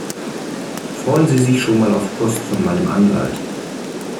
Freuen Sie sich schon mal auf Post von meinem Anwalt!